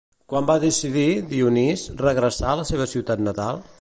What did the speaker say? Quan va decidir, Dionís, regressar a la seva ciutat natal?